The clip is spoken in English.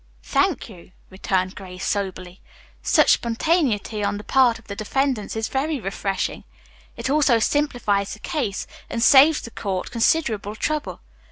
"Thank you," returned Grace soberly. "Such spontaneity on the part of the defendants is very refreshing. It also simplifies the case and saves the court considerable trouble.